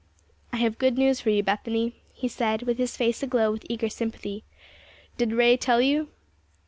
"I have good news for you, Bethany," he said, with his face aglow with eager sympathy. "Did Ray tell you?"